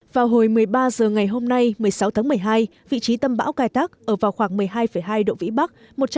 vào hồi một mươi ba h ngày hôm nay một mươi sáu tháng một mươi hai vị trí tâm bão cài thác ở vào khoảng một mươi hai hai độ vĩ bắc